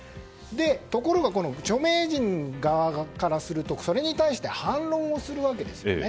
ところが、著名人側からするとそれに対して反論をするわけですよね。